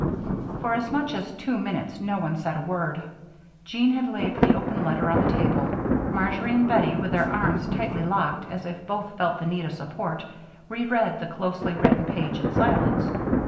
For as much as two minutes no one said a word. Jean had laid the open letter on the table. Marjory and Bettie with their arms tightly locked, as if both felt the need of support, reread the closely written page in silence.